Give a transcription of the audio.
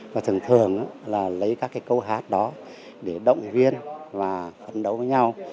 và thường thường là lấy các cái câu hát đó để động viên và phấn đấu với nhau